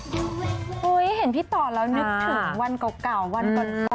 คุณผู้ชมไม่เจนเลยค่ะถ้าลูกคุณออกมาได้มั้ยคะ